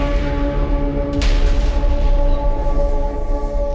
mất thì chả mất